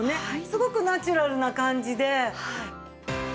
すごくナチュラルな感じで。